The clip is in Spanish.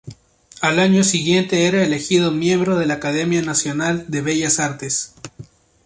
Al año siguiente era elegido miembro de la Academia Nacional de Bellas Artes.